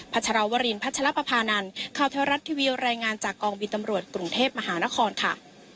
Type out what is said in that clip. ชรวรินพัชรปภานันข่าวเทวรัฐทีวีรายงานจากกองบินตำรวจกรุงเทพมหานครค่ะ